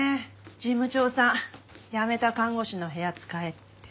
事務長さん辞めた看護師の部屋使えって。